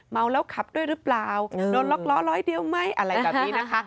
เมาแล้วขับด้วยหรือเปล่าโดนล็อกล้อร้อยเดียวไหมอะไรแบบนี้นะคะ